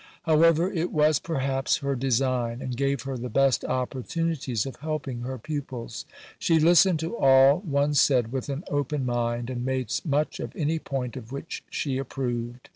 However it was perhaps her design and gave her the best opportunities of helping her pupils. She listened to all one said with an open mind and made much of any point of which she approved.